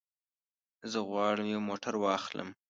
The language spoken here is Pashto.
زه غواړم یو موټر واخلم.